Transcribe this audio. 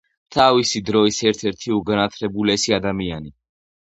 თავისი დროის ერთ-ერთი უგანათლებულესი ადამიანი.